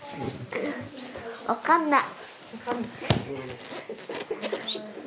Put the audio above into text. わかんない。